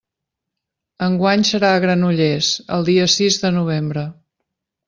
Enguany serà a Granollers, el dia sis de novembre.